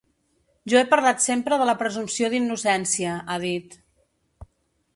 Jo he parlat sempre de la presumpció d’innocència, ha dit.